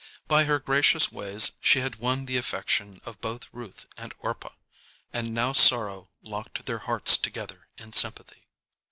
By her gracious ways she had won the affection of both Ruth and Orpah, and now sorrow locked their hearts together in sympathy.